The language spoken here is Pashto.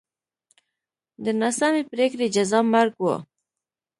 د ناسمې پرېکړې جزا مرګ و.